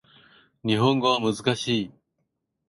日本語は難しい